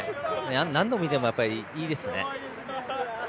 何度見ても、やっぱりいいですね。